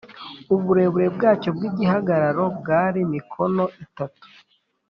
uburebure bwacyo bw’igihagararo bwari mikono itatu